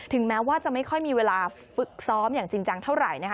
แม้ว่าจะไม่ค่อยมีเวลาฝึกซ้อมอย่างจริงจังเท่าไหร่นะคะ